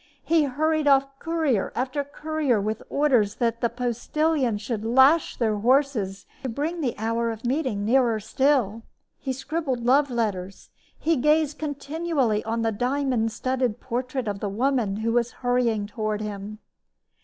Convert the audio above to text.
He hurried off courier after courier with orders that the postilions should lash their horses to bring the hour of meeting nearer still. He scribbled love letters. He gazed continually on the diamond studded portrait of the woman who was hurrying toward him.